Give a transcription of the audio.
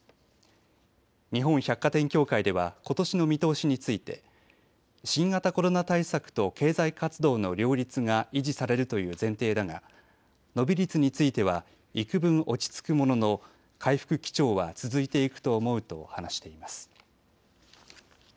日本百貨店協会ではことしの見通しについて新型コロナ対策と経済活動の両立が維持されるという前提だが伸び率については、いくぶん落ち着くものの回復基調は続いていくと思うと話しています。